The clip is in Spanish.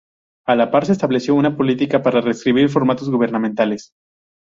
A la par se estableció una política para reescribir formatos gubernamentales.